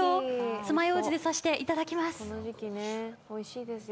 つまようじに刺していただきます。